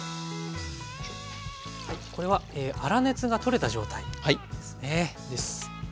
これは粗熱が取れた状態ですね。